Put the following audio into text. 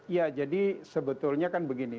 ya jadi sebetulnya kan begini